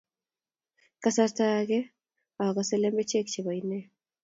kasarta akee akosee lembech chebo inee